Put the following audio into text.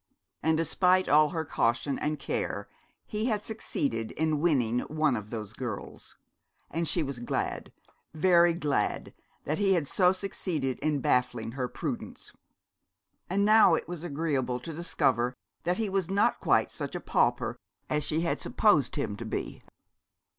And despite all her caution and care he had succeeded in winning one of those girls: and she was glad, very glad, that he had so succeeded in baffling her prudence. And now it was agreeable to discover that he was not quite such a pauper as she had supposed him to be.